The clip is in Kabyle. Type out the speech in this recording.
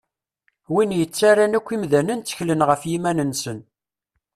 Win yettaran akk imdanen tteklen ɣef yiman-nsen.